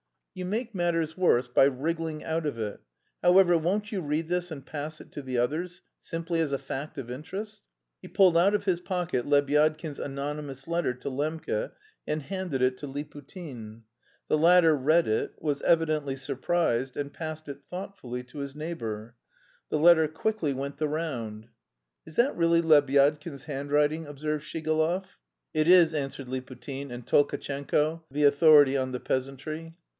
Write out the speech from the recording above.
"You make matters worse by wriggling out of it. However, won't you read this and pass it to the others, simply as a fact of interest?" He pulled out of his pocket Lebyadkin's anonymous letter to Lembke and handed it to Liputin. The latter read it, was evidently surprised, and passed it thoughtfully to his neighbour; the letter quickly went the round. "Is that really Lebyadkin's handwriting?" observed Shigalov. "It is," answered Liputin and Tolkatchenko (the authority on the peasantry).